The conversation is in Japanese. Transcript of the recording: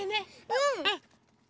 うん！